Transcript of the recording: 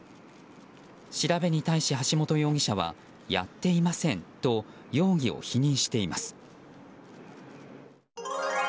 調べに対し、橋本容疑者はやっていませんと容疑を否認しています。